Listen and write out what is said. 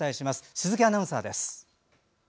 鈴木アナウンサーです。